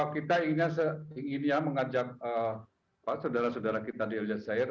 kita ingin mengajak pak saudara saudara kita di aljazeera